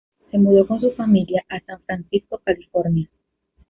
Se mudó con su familia a San Francisco, California.